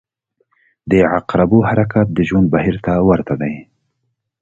• د عقربو حرکت د ژوند بهیر ته ورته دی.